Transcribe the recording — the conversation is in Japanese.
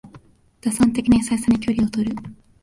打算的な優しさに距離をとる